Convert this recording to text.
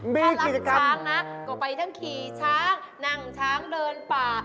ถ้ารักช้างนะก็ไปทั้งขี่ช้างนั่งช้างเดินป่า